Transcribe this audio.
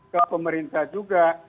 ke pemerintah juga